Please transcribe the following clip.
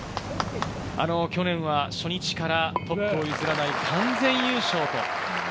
去年は初日からトップを譲らない完全優勝。